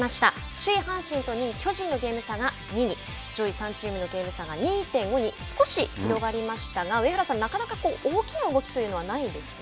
首位阪神と２位巨人のゲーム差が２に上位３チームのゲーム差が少し広がりましたが上原さん、なかなか大きな動きはないですね。